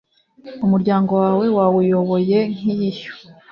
Umuryango wawe wawuyoboye nk’ishyo